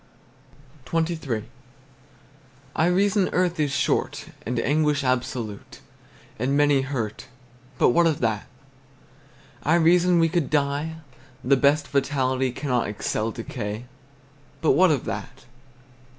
XXIII. I reason, earth is short, And anguish absolute, And many hurt; But what of that? I reason, we could die: The best vitality Cannot excel decay; But what of that?